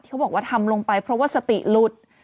เขาบอกว่าทำลงไปเพราะว่าสติหลุด